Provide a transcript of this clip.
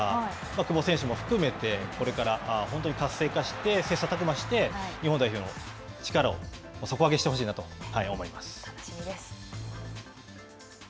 久保選手も含めて、これから、本当に活性化して、切さたく磨して、日本代表、力を底上げしてほしいなと思います。